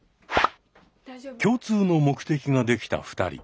共通の目的ができた２人。